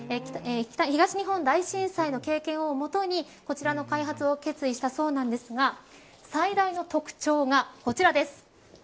東日本大震災の経験をもとにこちら開発を決意したそうなんですが最大の特徴がこちらです。